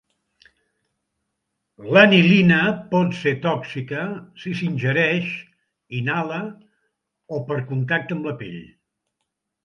L'anilina pot ser tòxica si s'ingereix, inhala o per contacte amb la pell.